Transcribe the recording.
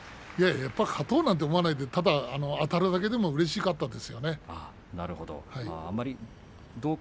勝とうなんて思わないであたるだけでもうれしかったです。